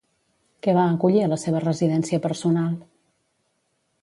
Què va acollir a la seva residència personal?